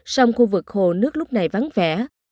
song khu vực hồ nước lúc này vắng vẻ